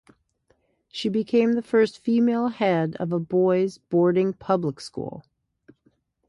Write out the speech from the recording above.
She became the first female Head of a boys' boarding public school.